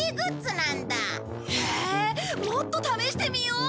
へえもっと試してみよう！